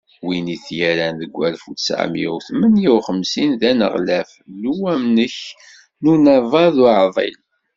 Win i t-yerran deg walef u ttɛemya u tmenya u xemsin d aneɣlaf n uwanek n Unabaḍ Uɛḍil.